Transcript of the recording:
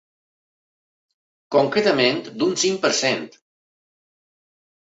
Concretament, d’un cinc per cent.